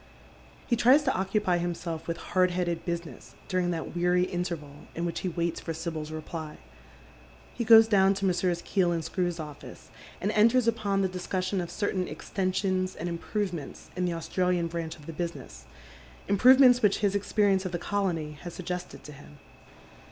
He tries to occupy himself with hard headed business during that weary interval in which he waits for Sibyl's reply. He goes ♦lown to Messrs. Keel and Skrew's office, and enters upon the discussion of certain extensions and improvements in the Australian branch of the business, improvements which his ex perience of the colony has suggested to him.